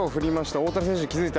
大谷選手、気づいた。